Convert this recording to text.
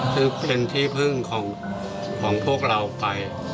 คือเป็นที่พึ่งของพวกเราไป